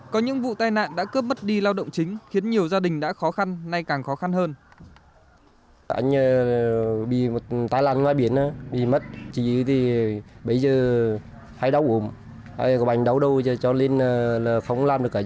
có những vụ tai nạn đã cướp mất đi lao động chính khiến nhiều gia đình đã khó khăn nay càng khó khăn hơn